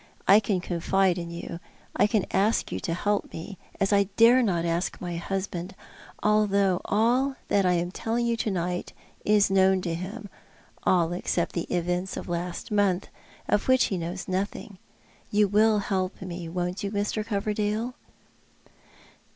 I can confide in you. I can ask you to help me, as I dare not ask my liusband — although all that I am telling you to night is known to him — all except the events of the last month, of which he knows nothing. You will help me, won't you, Mr. Coverdale?